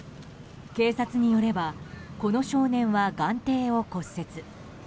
警察によればこの少年は眼底を骨折。